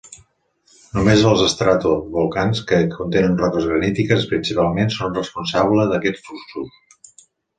Només els estratovolcans que contenen roques granítiques principalment són responsable d'aquests fluxos.